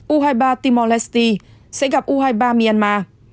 u hai mươi ba timor leste sẽ gặp u hai mươi ba myanmar